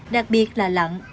đặc biệt là lận